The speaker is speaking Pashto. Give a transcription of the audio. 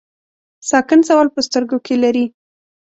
ساکن سوال په سترګو کې لري.